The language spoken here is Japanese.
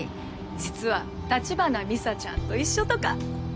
実は橘美沙ちゃんと一緒とか！